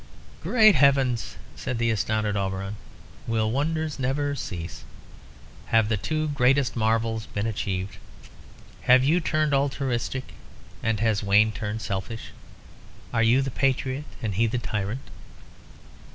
"Great Heavens!" said the astounded Auberon. "Will wonders never cease? Have the two greatest marvels been achieved? Have you turned altruistic, and has Wayne turned selfish? Are you the patriot, and he the tyrant?"